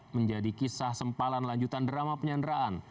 menjadi kisah sempalan lanjutan drama penyanderaan